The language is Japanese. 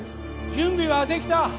準備はできた？